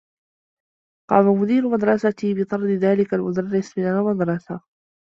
قام مدير مدرستي بطرد ذلك المدرّس من المدرسة.